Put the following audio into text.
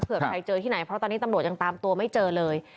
ใครเจอที่ไหนเพราะตอนนี้ตำรวจยังตามตัวไม่เจอเลย